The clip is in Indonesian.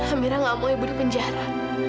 amira gak mau ibu di penjara